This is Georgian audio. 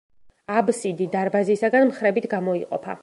აბსიდი დარბაზისაგან მხრებით გამოიყოფა.